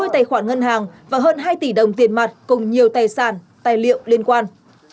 hai mươi tài khoản ngân hàng và hơn hai tỷ đồng tiền mặt cùng nhiều tài sản tài liệu liên quan